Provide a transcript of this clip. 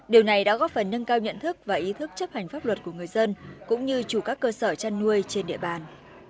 điều này đã góp phần nâng cao nhận thức và ý thức chấp hành pháp luật của người dân cũng như chủ các cơ sở chăn nuôi trên địa bàn